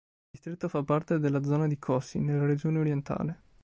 Il distretto fa parte della zona di Kosi nella Regione Orientale.